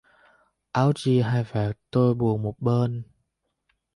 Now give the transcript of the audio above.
Áo chia hai vạt tôi buồn một bên!